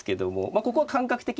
ここは感覚的にね